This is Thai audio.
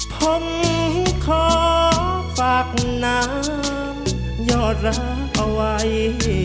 ผมขอฝากน้ำยอดรักเอาไว้